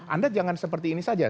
anda jangan seperti ini saja